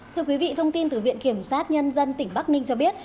thưa quý vị thông tin từ viện kiểm sát nhân dân tỉnh bắc ninh cho biết